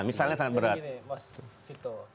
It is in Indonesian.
misalnya sangat berat